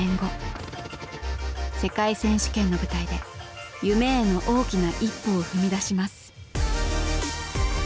世界選手権の舞台で夢への大きな一歩を踏み出します。